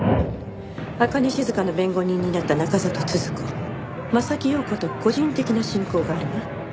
朱音静の弁護人になった中郷都々子柾庸子と個人的な親交があるわ。